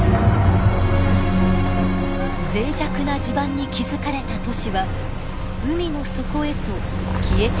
脆弱な地盤に築かれた都市は海の底へと消えていったのです。